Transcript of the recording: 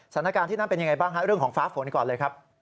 สถานการณ์ที่นั่นเป็นยังไงบ้างฮะเรื่องของฟ้าฝนก่อนเลยครับ